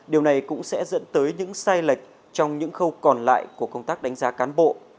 điều này cũng sẽ dẫn tới những sai lệch trong những khâu còn lại của công tác đánh giá cán bộ